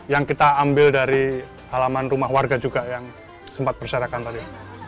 yang kita ambil dari halaman rumah warga juga yang sempat berserakan tadi